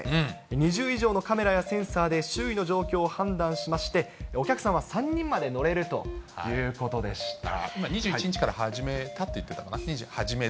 ２０以上のカメラやセンサーで周囲の状況を判断しまして、お客さんは３人まで乗れるということで２１日から始めたって言ってたかな。